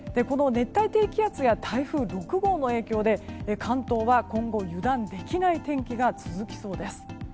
熱帯低気圧や台風６号の影響で関東は今後、油断できない天気が続きそうです。